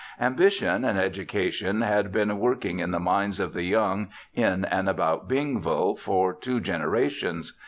Ambition and Education had been working in the minds of the young in and about Bingville for two generations.